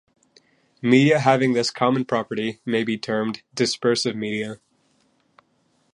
Media having this common property may be termed "dispersive media".